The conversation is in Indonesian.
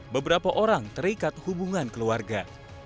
beberapa orang terikat hubungan keluarga